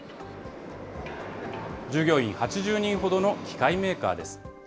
従業員８０人ほどの機械メーカーです。